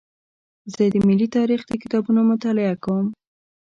زه د ملي تاریخ د کتابونو مطالعه کوم.